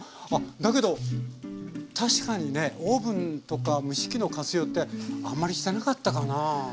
だけど確かにねオーブンとか蒸し器の活用ってあんまりしてなかったかな。